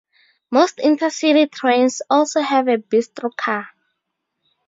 Most InterCity trains also have a bistro car.